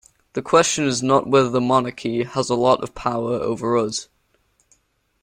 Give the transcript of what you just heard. The question is not whether the monarchy has a lot of power over us.